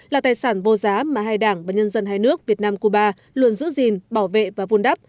là tài sản vô giá mà hai đảng và nhân dân hai nước việt nam cuba luôn giữ gìn bảo vệ và vun đắp